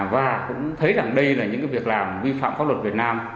và cũng thấy rằng đây là những việc làm vi phạm pháp luật việt nam